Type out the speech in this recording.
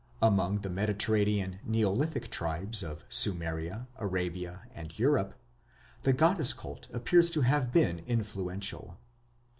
Among the Mediterranean Neolithic tribes of Sumeria, Arabia, and Europe, the goddess cult appears to have been influential.